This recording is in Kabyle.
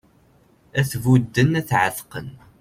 Ad t-budden ad t-εetqen